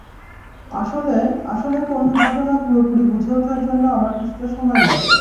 আসলে, আসলে কোন ঘটনা পুরোপুরি বুঝে উঠার জন্য আমার কিছুটা সময় লাগে।